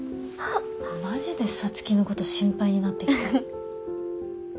マジで皐月のこと心配になってきた。